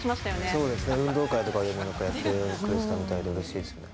そうですね、運動会とかで、やってくれてたみたいなで、うれしいですね。